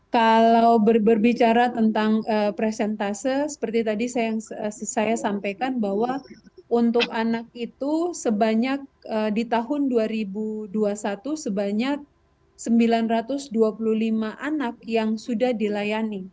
kalau berbicara tentang presentase seperti tadi yang saya sampaikan bahwa untuk anak itu sebanyak di tahun dua ribu dua puluh satu sebanyak sembilan ratus dua puluh lima anak yang sudah dilayani